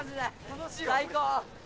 最高！